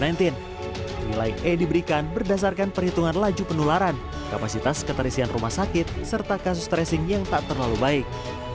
nilai e diberikan berdasarkan perhitungan laju penularan kapasitas keterisian rumah sakit serta kasus tracing yang tak terlalu baik